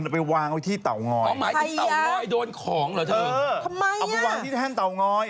พญาเต๋อง้อยของฉันเนี่ยนะ